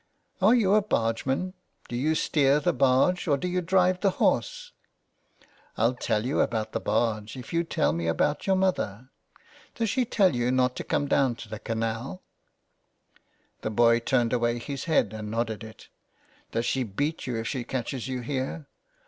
" Are you a bargeman ? Do you steer the barge or do you drive the horse ?"'' I'll tell you about the barge if you'll tell me about your mother. Does she tell you not to come down to the canal ?" 293 so ON HE FARES. The boy turned away his head and nodded it. '' Does she beat you if she catches you here